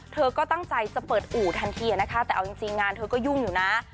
เธอก็ตั้งใจจะเปิดอู่ทันทีนะคะแต่เอาจริงงานเธอก็ยุ่งอยู่นะ